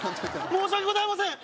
申し訳ございません。